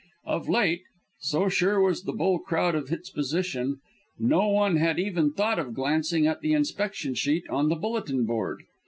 Of late so sure was the bull crowd of its position no one had even thought of glancing at the inspection sheet on the bulletin board.